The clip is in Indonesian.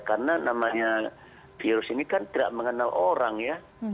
karena namanya virus ini kan tidak mengenal orang ya